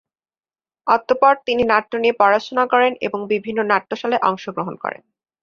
অতঃপর তিনি নৃত্য নিয়ে পড়াশুনা করেন এবং বিভিন্ন নাট্যশালায় অংশগ্রহণ করেন।